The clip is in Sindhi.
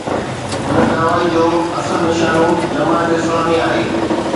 ان ڪارروائي جو اصل نشانو جماعت اسلامي آهي.